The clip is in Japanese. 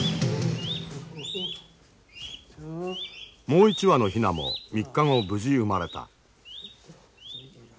もう一羽のヒナも３日後無事生まれた。